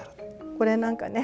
これなんかね